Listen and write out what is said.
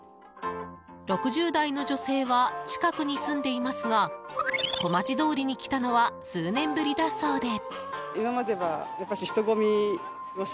６０代の女性は近くに住んでいますが小町通りに来たのは数年ぶりだそうで。